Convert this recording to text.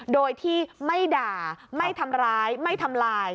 โดยที่ไม่ด่าไม่ทำร้ายไม่ทำลาย